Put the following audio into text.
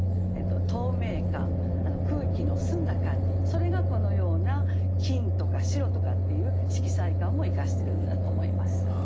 それがこのような「金」とか「白」とかっていう色彩感を生かしてるんだと思います。